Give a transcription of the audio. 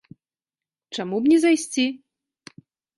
Чаму б не зайсці?